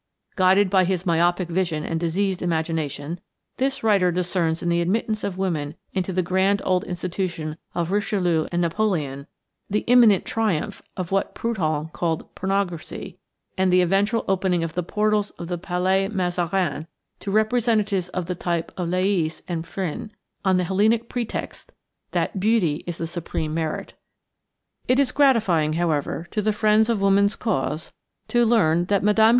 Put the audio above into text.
Guided by his myopic vision and diseased imagination, this writer discerns in the admittance of women into the grand old institution of Richelieu and Napoleon the imminent triumph of what Prudhon called pornocracy and the eventual opening of the portals of the Palais Mazarin to representatives of the type of Lais and Phryne, on the Hellenic pretext that "Beauty is the supreme merit." It is gratifying, however, to the friends of woman's cause to learn that Mme.